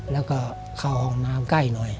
แล้วก็เข้าห้องน้ำใกล้หน่อย